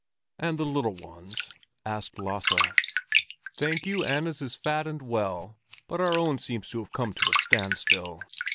"And the little ones?" asked Lasse. "Thank you, Anna's is fat and well, but our own seems to have come to a standstill.